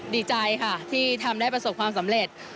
ดีใจค่ะที่ทำได้ประสบความสำเร็จ